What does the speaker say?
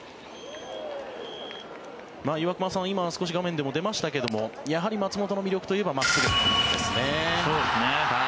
岩隈さん、今少し画面でも出ましたけどもやはり松本の魅力といえば真っすぐですね。